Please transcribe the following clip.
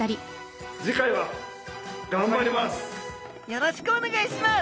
よろしくお願いします！